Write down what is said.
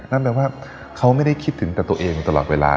นั่นแปลว่าเขาไม่ได้คิดถึงแต่ตัวเองตลอดเวลา